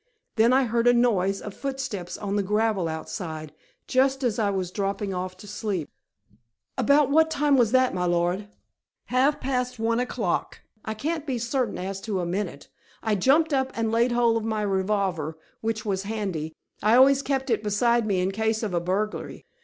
Then I heard a noise of footsteps on the gravel outside, just as I was dropping off to sleep " "About what time was that, my lord?" "Half past one o'clock; I can't be certain as to a minute. I jumped up and laid hold of my revolver, which was handy. I always kept it beside me in case of a burglary.